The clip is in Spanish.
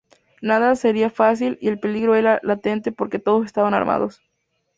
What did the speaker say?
Nada sería fácil y el peligro era latente porque todos estaban armados.